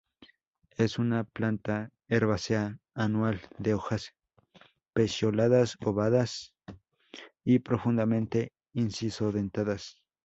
Es una planta herbácea anual de hojas pecioladas, ovadas y profundamente inciso-dentadas.